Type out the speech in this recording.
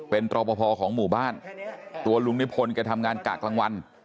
เป็นตรอบพอพอของหมู่บ้านตัวลุงนิพลกันทำงานกะกลางวัน